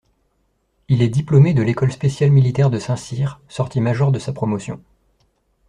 Il est diplômé de l'école spéciale militaire de Saint-Cyr, sorti major de sa promotion.